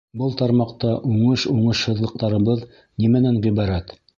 Был тармаҡта уңыш-уңышһыҙлыҡтарыбыҙ нимәнән ғибәрәт?